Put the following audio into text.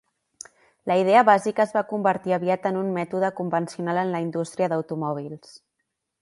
La idea bàsica es va convertir aviat en un mètode convencional en la indústria d'automòbils.